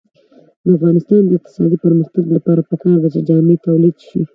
د افغانستان د اقتصادي پرمختګ لپاره پکار ده چې جامې تولید شي.